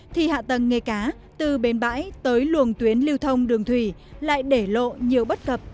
thì hạ tầng nghề cá từ bến bãi tới luồng tuyến lưu thông đường thủy lại để lộ nhiều bất cập